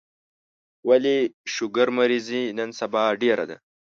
ولي شوګر مريضي نن سبا ډيره ده